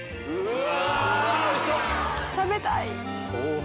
食べたい！